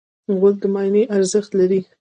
غول د معاینې ارزښت لري.